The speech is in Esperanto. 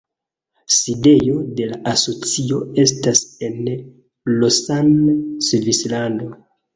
Sidejo de la asocio estas en Lausanne, Svislando.